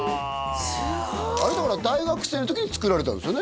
すごいあれだから大学生の時に作られたんですよね？